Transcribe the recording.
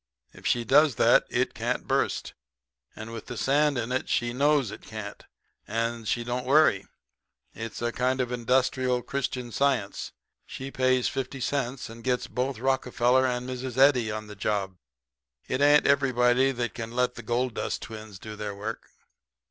If she does that it can't burst. And with the sand in it she knows it can't, and she don't worry. It's a kind of Industrial Christian Science. She pays fifty cents, and gets both Rockefeller and Mrs. Eddy on the job. It ain't everybody that can let the gold dust twins do their work.'